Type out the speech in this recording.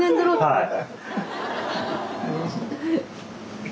はい。